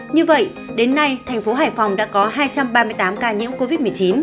như vậy đến nay thành phố hải phòng đã có hai trăm ba mươi tám ca nhiễm covid một mươi chín